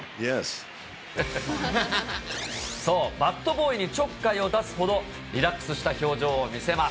そう、バットボーイにちょっかいを出すほどリラックスした表情を見せます。